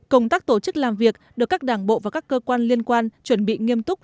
công tác tổ chức làm việc được các đảng bộ và các cơ quan liên quan chuẩn bị nghiêm túc